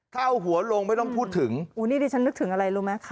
ถ้าเอาหัวลงไม่ต้องพูดถึงโอ้นี่ดิฉันนึกถึงอะไรรู้ไหมคะ